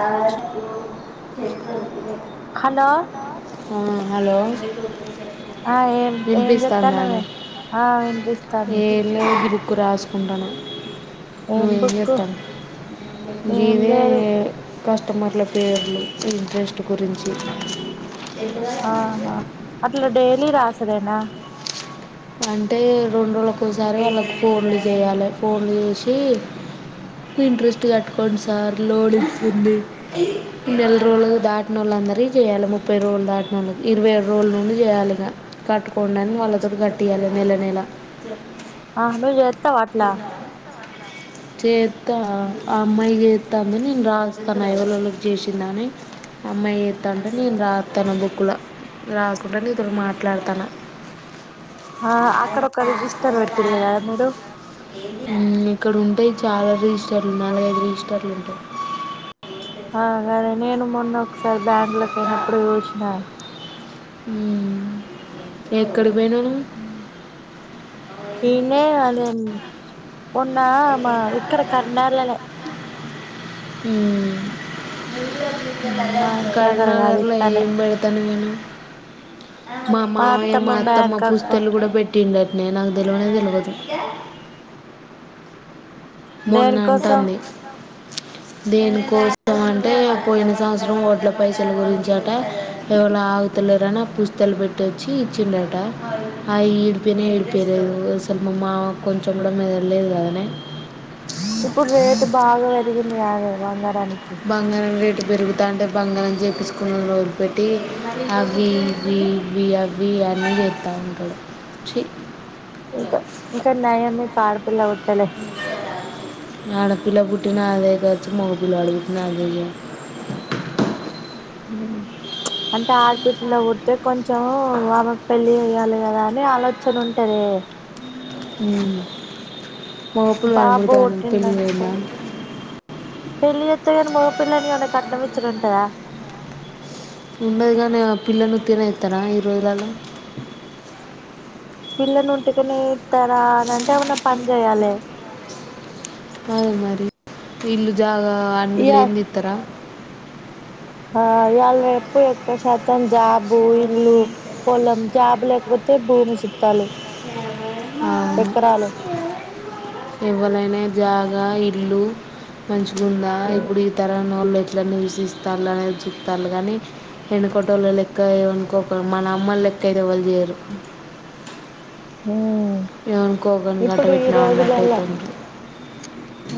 ఆ hello hello ఆ ఏం ఏం చెత్తాన్నవే విన్పిస్తాందానే? ఆ వినిపిస్తాంది ఎంలేదు గి బుక్ క్కు రాసుకుంటాన, ఏం నువ్వేం బుక్కు జెత్తానవ్ ఏం గిదే లేదు కస్టమర్ల పేర్లు ఇంట్రెస్ట్ గురించి ఆహా అట్లా డైలీ రాసుడేనా? అంటే రోండ్రోజులకోసారి వాళ్ళకు ఫోన్లు జేయాలె, ఫోన్ చేసి ఇంట్రెస్ట్ గట్టుకోండి సార్ లోనిస్తుంది నెల్రోజులు దాటినోళ్లన్ అందరీ చేయాలి ముప్పై రోజులు దాటినోళ్ళకి, ఇరవై ఏడు రోజుల నుండి జేయాలిగ కట్టుకొండని వాళ్ళతోట్ గట్ ట్టియాలే నెల నెల ఆ నువ్వు చేత్తవా అట్లా తిన్నవా? చేత్తానా ఆ అమ్మాయి చేత్తాంది, నేను రాస్తాన ఎ వలెవళకి చేసిందని. అమ్మాయి చెత్తాంటే నేన్ రాత్తనా బుక్లా. రాసుకుంట నీతోటి మాట్లాడతాన. ఆ అక్కడోక రిజిస్టర్ పెట్టిళ్ళు గద మీరు? ఉమ్ ఇక్కడుంటయ్ చాలా రిజిస్టార్లు, నాలుగైదు రిజిస్టర్లు ఉంటయి. ఆ గదే నేను మొన్నకసారి బ్యాంకులకిపోయినప్పుడు చూశ్న. ఉమ్ ఉమ్ ఎక్కడిక్పోయినవు నువ్వు? ఈన్నే అది మొన్న మా ఇక్కడ కరీంనగర్లనే. ఉమ్ మా ఇంటి దగ్గర కాదు కరీంనగర్ల ఇక్కన్నే ఏం పెడతను నిన్ను మా మావయ్య మా అత్తమ్మ పుస్తేలు గుడ పెట్టిండట్ నే నాకు తెలవనే తెలవదు. దేనికోసం మొన్నంటాన్ది. దేనికోసం అంటే పోయిన సంవత్సరం ఒడ్ల పైసల గురించి అటా, ఎవలో ఆగుత లేరన పుస్తేలు పెట్టోచ్చి ఇచ్చిండట, అయ్ ఇడిపీయనె ఇడిపేయలేదు స్సల్ మామక్కొంచెమ్ గుడా మెదడ్లేదు కదనే. ఇప్పుడు రేటు బాగ పెరిగింది గాదే బంగార్ బంగారం రేటు పెరుగుతాన్టే బంగారం చేపిచ్చుకునుడు ఒదిలిపెట్టి అవి ఇవి ఇవ్వి అవ్వి అన్ అన్నీ చెత్తా ఉంటాడు చీ! ఇంకా ఇంకా నయమే ఆడపిల్ల పుట్టలే. ఆడపిల్ల పుట్టిన అదే ఖర్చు మగపిల్లాడు పుట్టిన అదే ఖర్చు. అంటే ప్చ్ ఆడబిడ్లు పుడితే కొంచెం వాళ్లకి పెళ్లి చేయాలి కదా అని. అనే ఆలోచన ఉంటాదే. [unintelligible] ఇంకేం బాబు చేయాల పెళ్ళి జేస్తేగాని మగ పిల్లనికిగాని ఏమన్నా కట్నం ఇచ్చేదిటుంటాదా? ఉండదు గదనే ఆ పిల్లను ఉత్తిగనే ఇత్తరా ఈ రోజులల్ల? పిల్లను ఉంటికనేస్తార అని అంటే ఏమన్నా పని చేయాలి. కాద్ మరి ఇల్లు జాగా అన్ని ఇయా లేంది ఇత్తరా? ఆ ఇయాళ రేపు ఎక్కువ శాతం జాబు, ఇల్లు పొలం, జాబు లేకపోతే భూమి చిత్తాలు. ఎకరాలు ఎవ్వనైనా జాగ, ఇల్లు మంచిగుందా ఇప్పుడు ఈ తరంనోళ్ళు. ఇట్లా నివసిస్తారు. అనేది చుట్టాలు గానీ ఎనకటోళ్ళ లెక్క ఏనుకోక మన అమ్మలు ఇంకవేరేవాళ్ చేయరు. మ్! ఏమనుకోకండి గట్ట పెట్టినా. అన్నట్టుయితాది.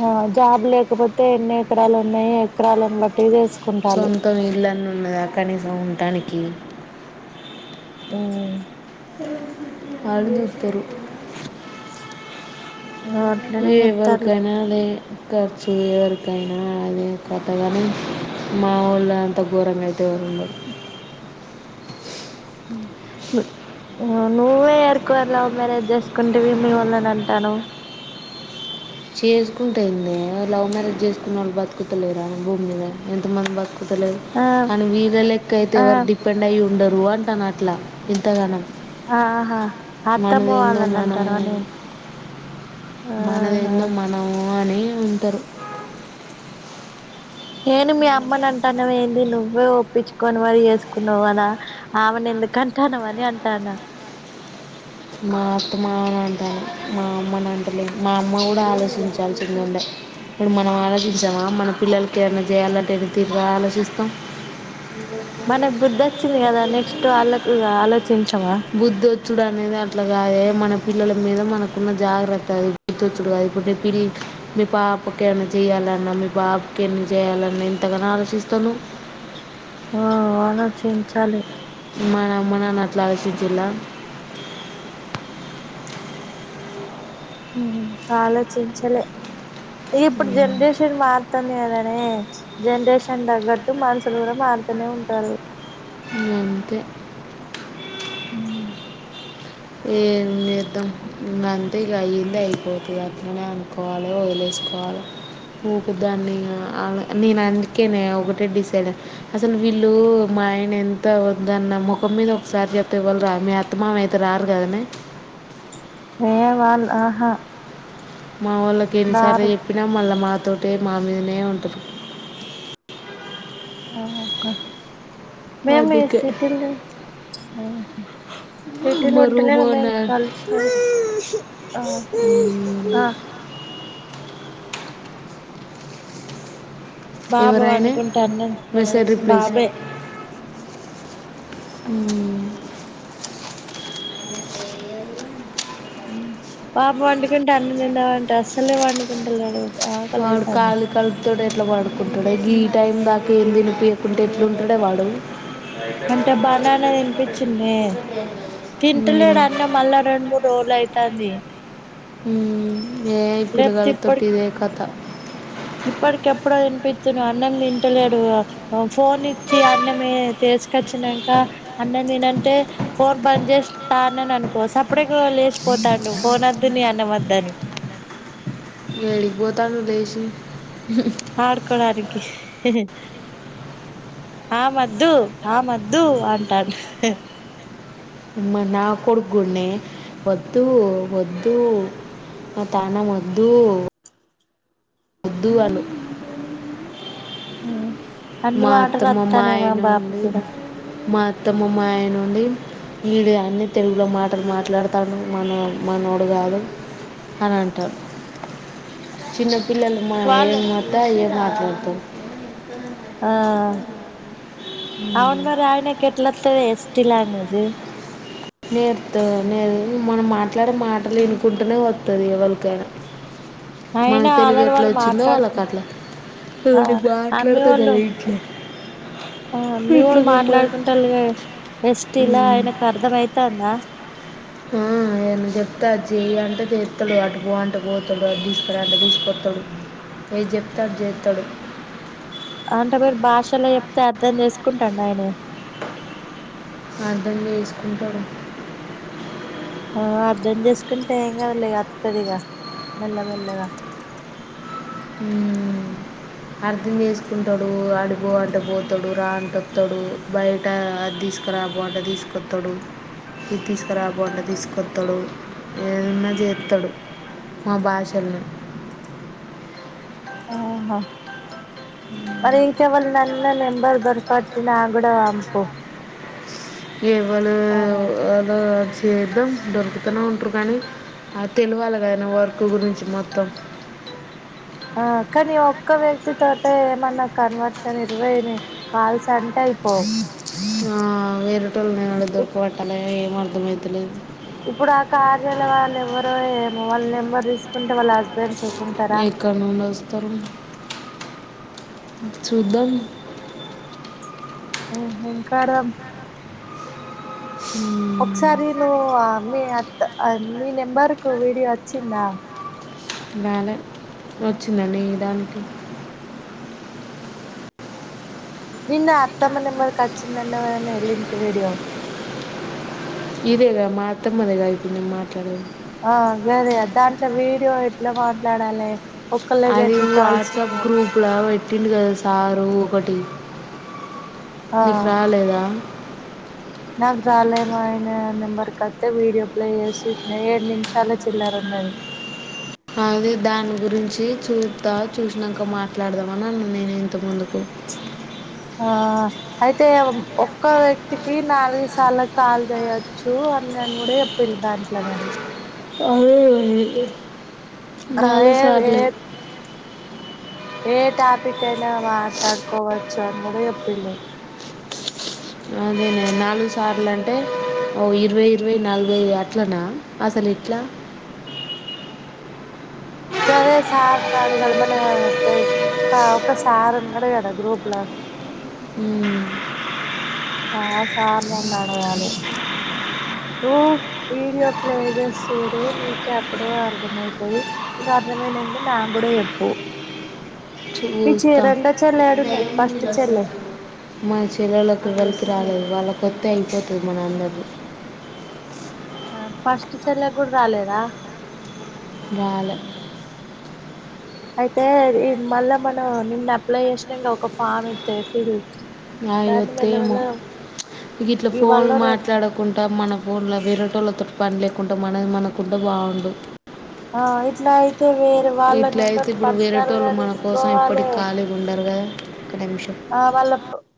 మ్ జాబ్ లేకపొతే ఎన్ని ఎకరాలు ఉన్నాయి ఎకరాలను బట్టి తెలుస్ సొంతం ఇళ్ళన్న ఉన్నదా కనీసం ఉంటానికి. మ్! ఆడి ఉత్తరు [unintelligible] అట్లనే చేత్తాలు ఎవ్వరికైనా అదే! ఖర్చు ఎవరికైనా అదే కథ గానీ మా వాళ్ళు అంత ఘోరంగా అయితే ఎవరు ఉండరు. మ్ ఇంగ నువ్వే ఎరుకువ లవ్ మ్యారేజ్ చేసుకుంటేవి మీ వాల్లని అంటాఉండావ్ చేసుకుంటే ఏంది లవ్ మ్యారేజ్ చేసుకున్నోళ్ళు బతుకుతలేదా, భూమిమీద ఎంత మంది బతుకు అంతలేదు ఆ కానీ వీళ్ళ లెక్క అయితే ఆ ఎవరు డిపెండ్ అయ్యి ఉండరు. అంటాను అట్లా ఇంతగనం ఆహా! అత్తమ్మవాల్లని మనం అంటార వ నేను. ఆహా మనదేందో మనము అని ఉంటరు. ఏను మీ అమ్మని అంటాన్నావ్ ఏంది నువ్వే ఒప్పించుకొని మరి చేసుకున్నావు కదా ఆమెను. కంటన్నావనే అని అంటాన్నా. మా అత్తమామని అంటాను. మా అమ్మని అంటలే మా అమ్మ కూడా ఆలోచించాల్సింది ఉండే. ఇప్పుడు మనం ఆలోచించమా మన పిల్లలకి ఏమైనా చేయాలంటే ఎంత తీరుగా ఆలోచిస్తాం. మనకు బుద్ధి వచ్చింది గదా నెక్స్ట్ వాళ్ళ గూడా అలోచ్ బుద్ధొచ్చుడనేది. అట్లా గాదె మన పిల్లల మీద మనకున్న జాగ్రత్త అది గుర్తొచ్చుడు కాదే ప్రీ మీ పాప పాపకి ఏమైన చేయాలన్నా మీ బాబుకి ఎన్ని చేయ్యాలన్నా ఎంతగానో ఆలోచిస్తావు నీవు. ఓ ఆలోచించాలి. మన అమ్మ నాన్న అట్ల ఆలోచించిండా. మ్! ఆలోచించలే, ఇప్పుడు జనరేషన్ మారుతు కన్ గదనే జనరేషన్ తగ్గట్టు మనుషులు కూడా మారుతూనే ఉంటారు. అంతే. మ్! ఏ చేద్దాం మరి అంతేగ అయ్యింది అయిపోతుంది అతనే అనుకోవాలి వదిలే. రాలే ఊక దాన్ని నేను అందుకేనే ఒకటే డిసైడయ్యా అసలు వీళ్ళు. ఆయన ఎంత వద్దన్న ముఖం మీద ఒకసారి చెప్తే ఎవ్వళ్ళు రారూ మీ అత్తా, మామఅయితే రా గదనే హే వాల్ ఆహా మా ఓళ్ళకి ఎన్నిసార్లు దారు ఎప్పినా మళ్ళ మాతోటే మా మీదనే ఉంటరు. ఆహా మేము ఈ అందుకే సీటీల సిటీలో మా రూమ్ ఉంటలేము ఓనర్ మేముకాల్చి మ్మ్, ఆ బాబు ఎవరైన పండుకుంటా అన్నం మెసేజ్ రిప్లేస్ బాబే ఉమ్ [inaudible] పాప పండుకుంటే అన్నం తిందాం అంటే అస్సలే పండుకుంటలేడు ఆకలి వాడు అయితాంది కాల్ కల్తడు ఎట్లా పడుకుంటాడు గీ టైం దాకా ఏం తినిపీయకుంటే ఎట్లు ఉంటడే వాడు అయితే అంటే బనానా తినిపించిందే [unintelligible] తింటలేడు అన్నం మళ్ళా రెండు మూడు రోజులు అయితది ఉమ్ ఏ పిల్లగాల్ల తోటి ఇదే కథ ఇప్పటికి ఎప్పుడో వినిపిచ్చిన అన్నం తింటలేడు ఆ ఫోన్ ఇచ్చి అన్నమే తే తీసుకొచ్చినంక అన్నం తిను అంటే ఫోన్ బందు చేస్తా అని అన్నాననుకో సప్పడే పోతాండు ఫోన్ వొద్దు నీ అన్నం వొద్దని ఏడికి పోతాండు లేశి ఆడ్కోడానికి ఆమొద్దు ఆమొద్దు అంటాండు మరి నా కొడుకు గునే వద్దు వద్దు మా తాన మొద్దూ వద్దు అను ఉమ్ అన్ని మా వాటలు అత్తమ్మ వత్తనేేమో బాపు కూడా అత్తమ మా ఆయన ఉండి వీడు యన్ని తెలుగులో మాటలు మాట్లాడుతాండు మన మనోడు కాదు అని అంటారు చిన్న పిల్లలు మా ఏం వాళ్ళే మా అత్త ఏం మాట్లాడుతారు ఆ అవును మరి ఆయనకి ఏట్లా అత్తదే టి లాంగ్వేజి నేర్తో నే మనం మాట్లాడే మాటలు వినుకుంటూనే వత్తది ఎవల్కైనా మన్ అయినా తెలుగు ఆల్రెడీ ఎట్లా వాళ్ళు వచ్చిందో మాట్లాడుకు వాళ్ళకు అట్లా ఒ ఆ [unintelligible] అమ్మి మాట్లాడతాగా వాళ్ళు ఇట్ల ఆ మీ వాళ్ళు మాట్లాడుకుంటాళ్ళు ఎస్ట్ లా ఆయనకు అర్థమయి అత్తందా ఉమ్ ఆ ఏం చెప్తే అది చెయ్యి అంటే చెత్తడు అటు పో అంటే పోతడు అద్ తీసుకురా అంటే తీసుకొత్ త్తడు ఏద్చెప్తె అది చేత్తడు అంటే మీరు భాషలో చెప్తే అర్థం చేసుకుంటన్డా ఆయనే అర్థం చేసుకుంటాడు ఆ అర్ధం చేసుకుంటే ఏం కదలే అత్తదిగా మెల్లమెల్లగా ఉమ్ అర్థం చేసుకుంటాడు అటుపో అంటే పోతడు రా అంటే వత్తడు బయట తీసుకురా పో అంటే తీసుకతడు ఇది తీసుకురాపో అంటే తీసుకొత్తాడు ఏమన్నా చేత్తడు మా భాషలు [inaudible] ఆహా మరి ఇంకెవల్నన్న నెంబర్ దొరకట్టనా ఆగుడ అంపు ఎవను అదొ చేద్దాం దొరుకుతూనే ఉంటారు కానీ తెలివాలగాయినా వర్క్ గురించి మొత్తం ఆ కానీ ఒక్క వ్యక్తి తోట ఏమన్నా కన్వర్షన్ ఇరవయినా కాల్స్ అంటే ఓ ఆ వేరటోళ్ళ నేను దొరకబట్టాలి ఏం అర్థంమయితులేదు ఇప్పుడు ఆ కార్యాల వాళ్ళు ఎవరోమొవాళ్లు నెంబర్ తీసుకుంటే వాళ్ళ హస్బెండ్స్ ఒప్పుకుంటారా ఏక్కనున్నస్ ఇస్తారు చూద్దాం ఉహుం కారం మ్మ్. ఒకసారి నువ్ మీ అత్త మీ నెంబర్ కు వీడియో వచ్చిందా? బాలెన్ వచ్చిందా మీ దానికి నిన్న అత్తమ్మ నెంబర్కి వచ్చిందంన్నవు గదనే లింక్ వీడియో ఇదేగా మా అత్తమ్మదే గా ఇప్పుడునే మాట్లాడేది. ఆ గదే దాంట్లో వీడియో ఎట్లా మాట్లాడాలి. ఒక్కళ్ళకి అది ఎన్ని కాల్స్ వాట్సాప్ చేయాలి గ్రూప్ లో వేట్ పెట్టిండు కదా సారు ఒకటి ఆ నీకు రాలేదా. నాకు రాలేమో ఆయన నెంబర్కిత్తే వీడియో ప్లే జేసి జేసినా ఏడు నిమిషాల చిల్లరున్నది. ఆ అది దాని గురించి చూపుత చూసినంక మాట్లాడదాం అని అన్నా నేను ఇంత ముందుకు చ్చ్ ఆ అయితే ఒక్క వ్యక్తికి నాలుగు సార్లు కాల్ చేయొచ్చు. ఊ అన్నని కూడా ఎప్పిండు దాంట్ల మరి అదే గదే ఆ నాలుగు ఏ ఏ సార్లే ఏ టాపిక్ అయినా మాట్లాడుకోవచ్చు అని కూడా చెప్పిల్లు అదే గదా నాలుగు సార్లు అంటే ఓ ఇరవై ఇరవై నాలుభై అట్లనా అసలు ఇట్లా గదే సార్ నడ్ గాలే మన త ఒక ఒక సార్ ఉన్నాడు కదా గ్రూప్ ల ఉమ్ ఆ సార్ నన్నాడగలే నువ్వు వీడియో ప్లే సూడు నీకే అప్పుడు అర్థమయితది నీకు అర్థమయిన అండ్ నా కూడా ఎప్పు చే చూస్తా ఏడున్నది ఫస్ట్ చెల్లె మా చెల్లలకు కల్ రాలేదు వాళ్ళ కొత్తే అయిపోతది. మన అందరిది. ఆ ఫస్ట్ చెల్లకి కూడా రాలేదా? రాలే అయితే ఇది మళ్ళా మనం నిన్న అప్లై జోషినాం గా ఒక ఫామ్ ఇతే ఫిల్ అయి దాన్ని వత్తాయిమో మెల్లమెల్ల గిట్లా ఇవాళ ఫోన్లు రేపు మాట్లాడకుంటా మనం ఫోన్లో వేరేటోళ్ళతో పని లేకుండా మనది మనకుంటే బాగుండు ఆ ఇట్లా అయితే వేరే వాళ్ళ ఇట్లా అయితే నెంబర్స్ ఇప్పుడు పర్సనల్ గా వేరేటోళ్ళు మన కోసం తీసుకోవాలే. ఎప్పటికి ఖాళీగా ఉండరు కదా ఒక నిమిషం ఆ వాళ్ల ప్పు